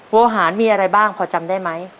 โวหารมีอะไรบ้างพอจำได้ไหม